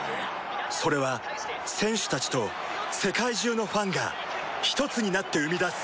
それは選手たちと世界中のファンがひとつになって生み出す